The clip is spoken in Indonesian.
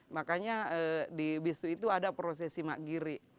makanya di bisu itu ada prosesi maggiri